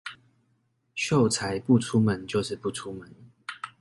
秀才不出門就是不出門